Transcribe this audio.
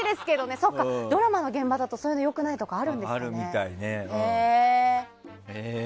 そっか、ドラマの現場だとそういうの良くないとかあるんですね。